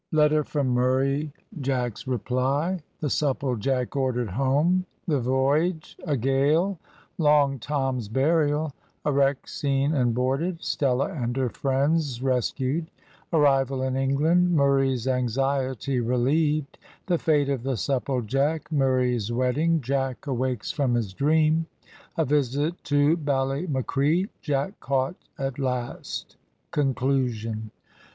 LETTER FROM MURRAY JACK'S REPLY THE SUPPLEJACK ORDERED HOME THE VOYAGE A GALE LONG TOM'S BURIAL A WRECK SEEN AND BOARDED STELLA AND HER FRIENDS RESCUED ARRIVAL IN ENGLAND MURRAY'S ANXIETY RELIEVED THE FATE OF THE SUPPLEJACK MURRAY'S WEDDING JACK AWAKES FROM HIS DREAM A VISIT TO BALLYMACREE JACK CAUGHT AT LAST CONCLUSION.